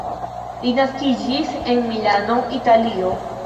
Li naskiĝis en Milano, Italio.